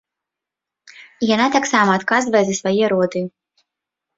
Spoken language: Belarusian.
І яна таксама адказвае за свае роды.